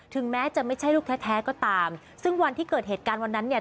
แม้จะไม่ใช่ลูกแท้แท้ก็ตามซึ่งวันที่เกิดเหตุการณ์วันนั้นเนี่ย